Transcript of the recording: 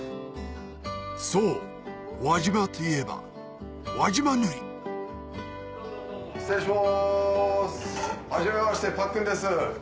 そう輪島といえば失礼しますはじめましてパックンです。